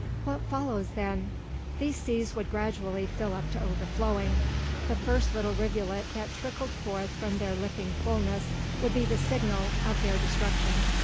"What follows, then? These seas would gradually fill up to overflowing. The first little rivulet that trickled forth from their lipping fulness would be the signal of their destruction.